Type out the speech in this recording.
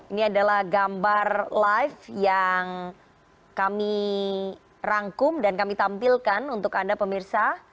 ini adalah gambar live yang kami rangkum dan kami tampilkan untuk anda pemirsa